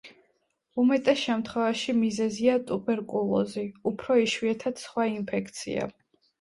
უმეტეს შემთხვევაში მიზეზია ტუბერკულოზი, უფრო იშვიათად სხვა ინფექცია.